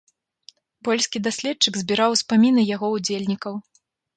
Польскі даследчык збіраў успаміны яго ўдзельнікаў.